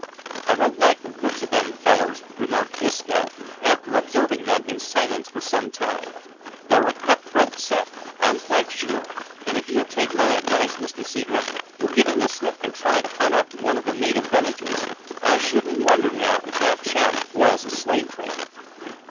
"I don't like the looks o' them fellers," remarked Disco, after observing them in silence for some time. "They're a cut throat set, I'm quite sure, an' if you'll take my advice, Mister Seadrift, we'll give 'em the slip, an' try to hunt up one o' the native villages. I shouldn't wonder, now, if that chap was a slave trader."